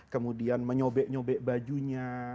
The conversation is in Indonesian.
kemudian menyobek nyobek bajunya